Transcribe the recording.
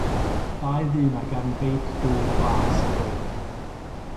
Dau ddyn ar gefn beic dŵr glas a gwyn.